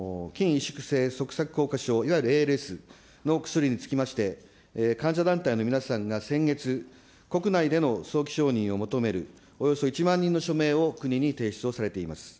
萎縮性側索硬化症、いわゆるＡＬＳの薬につきまして、患者団体の皆さんが先月、国内での早期承認を求めるおよそ１万人の署名を国に提出をされています。